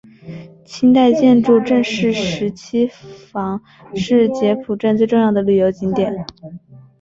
清代建筑郑氏十七房是澥浦镇最重要的旅游景点。